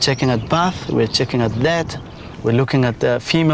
chúng tôi sẽ theo dõi những con voi ở đây